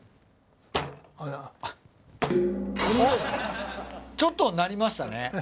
おっちょっと鳴りましたね。